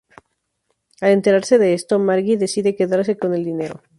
Al enterarse de esto, Margie decide quedarse con el dinero.